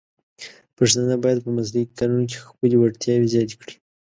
پښتانه بايد په مسلکي کارونو کې خپلې وړتیاوې زیاتې کړي.